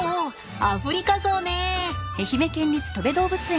アフリカゾウね。